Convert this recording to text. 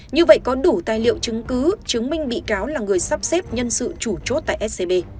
như vậy có đủ tài liệu chứng cứ chứng minh bị cáo là người sắp xếp nhân sự chủ chốt tại scb